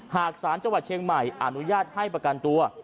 หากศาลจังหวัดเชียงใหม่อนุญาตให้ประกันตัว